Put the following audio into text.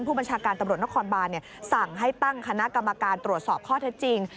ผู้บัญชาการตำรวจนครบานสั่งให้ตั้งคณะกรรมการตรวจสอบข้อเท็จจริง